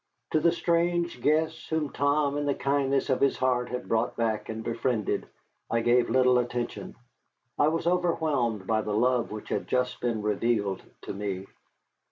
To the strange guests whom Tom in the kindness of his heart had brought back and befriended I gave little attention. I was overwhelmed by the love which had just been revealed to me.